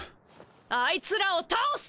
あいつらを倒す！